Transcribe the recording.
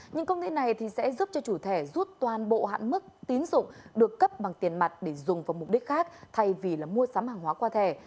những công nghệ này sẽ giúp cho chủ thẻ rút toàn bộ hạn mức tín dụng được cấp bằng tiền mặt để dùng vào mục đích khác thay vì mua sắm hàng hóa qua thẻ